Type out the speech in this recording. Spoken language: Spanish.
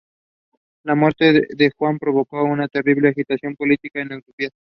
La muerte de Juan provocó una terrible agitación política en Etiopía.